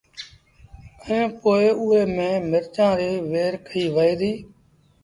ائيٚݩ پو اُئي ميݩ مرچآݩ ريٚ وهير ڪئيٚ وهي ديٚ